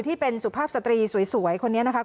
ที่เป็นสุภาพสตรีสวยคนนี้นะคะ